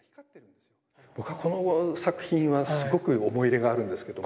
僕はこの作品はすごく思い入れがあるんですけども。